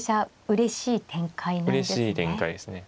うれしい展開ですね。